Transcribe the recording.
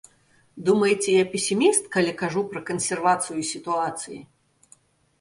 Думаеце, я песіміст, калі кажу пра кансервацыю сітуацыі?